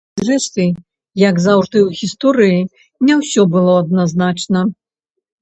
Зрэшты, як заўжды ў гісторыі, не ўсё было адназначна.